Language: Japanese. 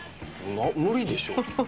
無理でしょ。